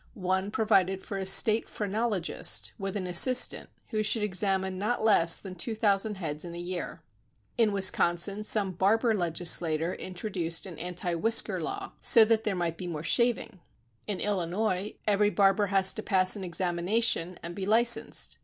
One provided for a State phrenologist, with an assistant, who should examine not less than two thousand heads in a year. In Wisconsin some barber legislator in troduced an anti whisker law so that there might be more shaving. In Illinois every barber has to pass an examination and be licensed.